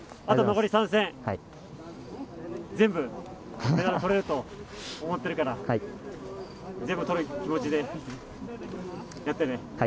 あと残り３戦、全部メダル取れると思ってるから全部取る気持ちでやってね。